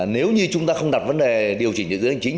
nếu như chúng ta không đặt vấn đề điều chỉnh dự án chính